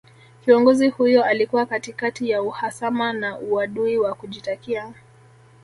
Kiongozi huyo alikuwa katikati ya uhasama na uadui wa kujitakia